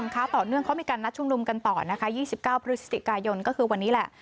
เขามีการนัดชุมนุมกันต่อนะคะ๒๙พฤศจิกายนก็คือวันนี้แหละ